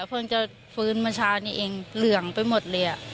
เพิ่งจะฟื้นเมื่อเช้านี้เองเหลืองไปหมดเลย